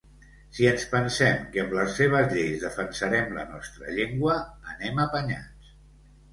Si ens pensem que amb les seves lleis defensarem la nostra llengua, anem apanyats.